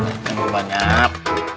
yang ini banyak